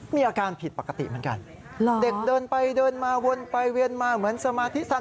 มีอาการผิดปกติเหมือนกันเด็กเดินไปเดินมาวนไปเวียนมาเหมือนสมาธิสัน